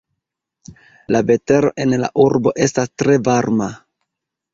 La vetero en la urbo estas tre varma.